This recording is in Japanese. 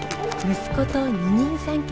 息子と二人三脚。